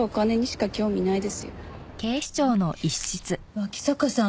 脇坂さん